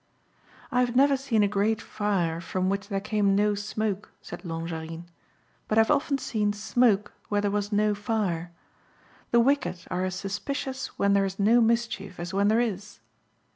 "I have never seen a great fire from which there came no smoke," said Longarine, "but I have often seen smoke where there was no fire. The wicked are as suspicious when there is no mischief as when there is."